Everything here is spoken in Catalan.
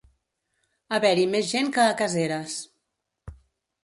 Haver-hi més gent que a Caseres.